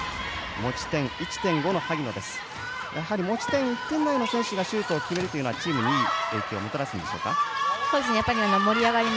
持ち点１点台の選手がシュートを決めるのはチームに影響をもたらしますか。